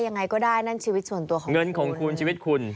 นั่นชีวิตส่วนตัวของคุณ